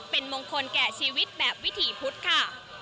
เป็นมงคลแก่ชีวิตแบบวิถีพุทธค่ะ